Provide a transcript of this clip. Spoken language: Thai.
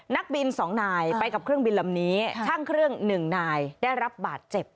นักบิน๒นายไปกับเครื่องบินลำนี้ช่างเครื่องหนึ่งนายได้รับบาดเจ็บ